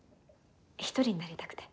一人になりたくて。